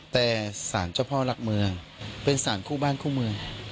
แต่สารเจ้าพ่อหลักเมืองเป็นสารคู่บ้านคู่เมือง